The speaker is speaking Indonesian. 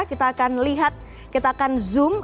kita akan lihat kita akan zoom